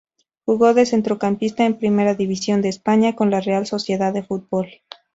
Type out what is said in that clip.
Jugó de centrocampista en Primera División de España con la Real Sociedad de Fútbol.